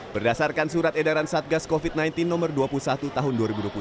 berdasarkan surat edaran satgas covid sembilan belas nomor dua puluh satu tahun dua ribu dua puluh satu